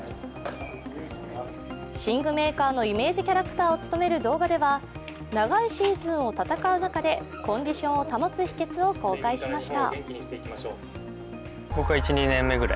寝具メーカーのイメージキャラクターを務める動画では長いシーズンを戦う中でコンディションを保つ秘けつを公開しました。